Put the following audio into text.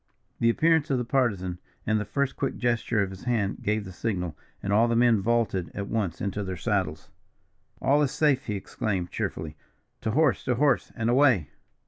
The appearance of the Partisan, and the first quick gesture of his hand, gave the signal; and all the men vaulted at once into their saddles. "All is safe!" he exclaimed, cheerfully. "To horse, to horse, and away!"